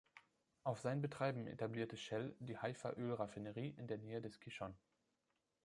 Auf sein Betreiben etablierte Shell die Haifa-Öl-Raffinerie in der Nähe des Kishon.